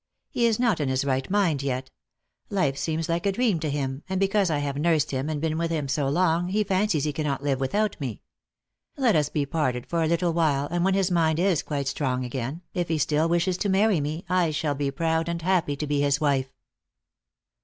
He is not in his right mind yet ; life seems like a dream to him, and because I have nursed him and been with him so long, he fancies he cannot live without me. Let us be parted for a little while, and when his mind is quite strong again, if he still wishes to marry me, I shall be proud and happy to be his wife."